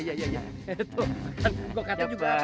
tuh gua kata juga